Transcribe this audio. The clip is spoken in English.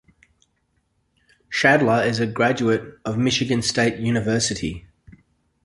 Schadler is a graduate of Michigan State University.